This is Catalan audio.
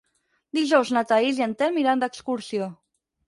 Dijous na Thaís i en Telm iran d'excursió.